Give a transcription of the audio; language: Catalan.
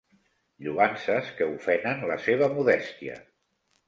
Lloances que ofenen la seva modèstia.